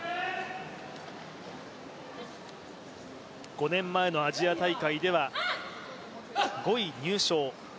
５年前のアジア大会では５位入賞。